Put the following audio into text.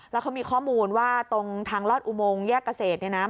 แล้วเขามีข้อมูลว่าตรงทางลอดอุโมงแยกเกษตรเนี่ยนะ